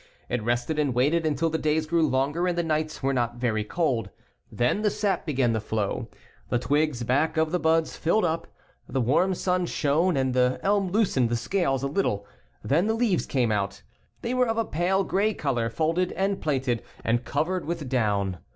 It rested and waited until the days grew longer and the nights were not very cold. Then the sap began to flow. The twigs back of the buds filled up. The warm sun shone and the elm loosened the scales a little, came out. They were of a pale gray color, folded and plaited, and covered with down.